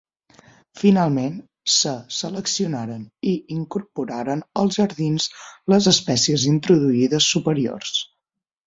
Finalment se seleccionaren i incorporaren als jardins les espècies introduïdes superiors.